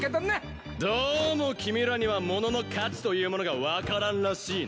どうも君らにはものの価値というものが分からんらしいな。